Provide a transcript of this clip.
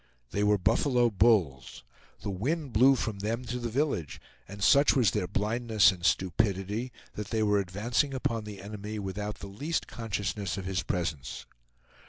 They were buffalo bulls. The wind blew from them to the village, and such was their blindness and stupidity that they were advancing upon the enemy without the least consciousness of his presence.